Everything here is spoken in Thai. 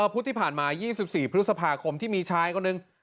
พุธที่ผ่านมา๒๔พฤษภาคมที่มีชายคนหนึ่ง